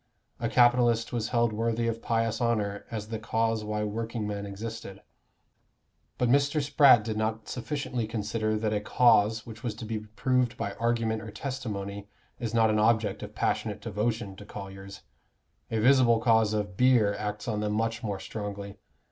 A capitalist was held worthy of pious honor as the cause why workingmen existed. But Mr. Spratt did not sufficiently consider that a cause which was to be proved by argument or testimony is not an object of passionate devotion to colliers: a visible cause of beer acts on them much more strongly.